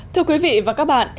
thưa quý vị và các bạn